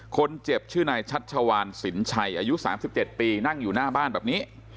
คนเจ็บชื่อนายชัชวานสินชัยอายุ๓๗ปีนั่งอยู่หน้าบ้านแบบนี้